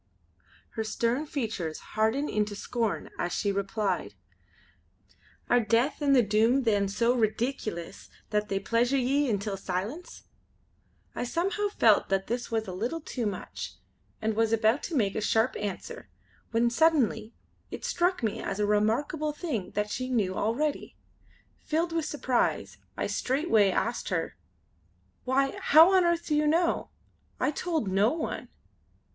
Her stern features hardened into scorn as she replied: "Are Death and the Doom then so redeekulous that they pleasure ye intil silence?" I somehow felt that this was a little too much and was about to make a sharp answer, when suddenly it struck me as a remarkable thing that she knew already. Filled with surprise I straightway asked her: "Why, how on earth do you know? I told no one."